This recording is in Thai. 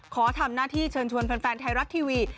ขอทำหน้าที่เชิญชวนแฟนไทยรัฐทีวี